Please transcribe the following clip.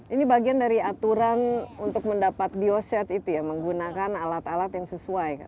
ini bagian dari aturan untuk mendapat bioset itu ya menggunakan alat alat yang sesuai